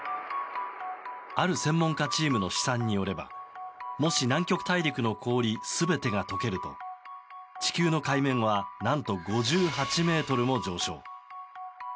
ある専門家チームの試算によればもし南極大陸の氷全てが解けると地球の海面は何と５８ｍも上昇。